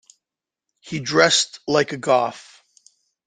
He dressed like a Goth.